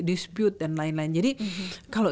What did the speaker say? dispute dan lain lain jadi kalau